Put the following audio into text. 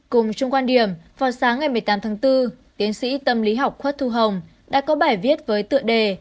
cùng chung quan điểm vào sáng ngày một mươi tám tháng bốn tiến sĩ tâm lý học khuất thu hồng đã có bài viết với tựa đề